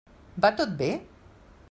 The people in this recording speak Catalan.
Va tot bé?